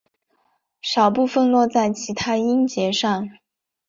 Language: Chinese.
少部分落在其它音节上。